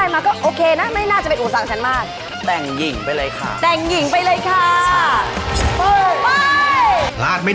ไม่ได้